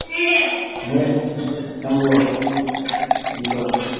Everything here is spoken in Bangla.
বাষ্পীভবনের মাত্রা এর কাছাকাছি, যা বসন্ত ও শীতকালে অধিক, কিন্তু গ্রীষ্মকালে অনুপস্থিত।